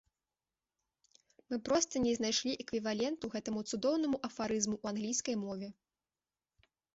Мы проста не знайшлі эквіваленту гэтаму цудоўнаму афарызму ў англійскай мове.